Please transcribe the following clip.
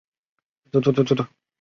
孔循奉命将赵虔等全部族诛。